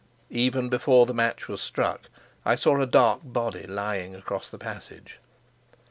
Even before the match was struck I saw a dark body lying across the passage.